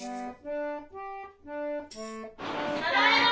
・ただいま！